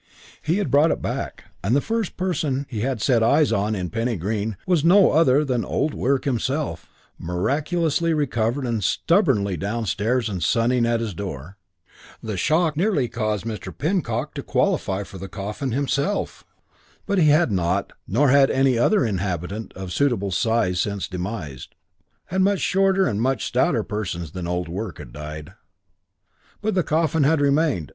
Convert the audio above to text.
He had brought it back, and the first person he had set eyes on in Penny Green was no other than Old Wirk himself, miraculously recovered and stubbornly downstairs and sunning at his door. The shock had nearly caused Mr. Pinnock to qualify for the coffin himself; but he had not, nor had any other inhabitant of suitable size since demised. Longer persons than Old Wirk had died, and much shorter and much stouter persons than Old Wirk had died. But the coffin had remained.